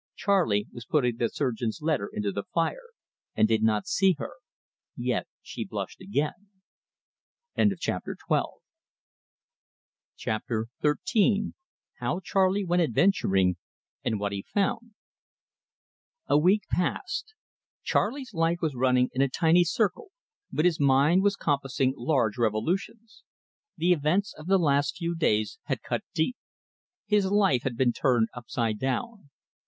Charley was putting the surgeon's letter into the fire, and did not see her; yet she blushed again. CHAPTER XIII. HOW CHARLEY WENT ADVENTURING AND WHAT HE FOUND A week passed. Charley's life was running in a tiny circle, but his mind was compassing large revolutions. The events of the last few days had cut deep. His life had been turned upside down.